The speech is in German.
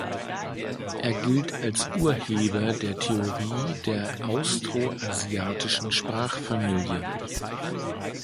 Er gilt als Urheber der Theorie der austroasiatischen Sprachfamilie.